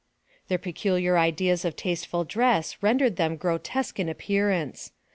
Their peculiar ideas of tasteful dress rendered them grotesque in appearance.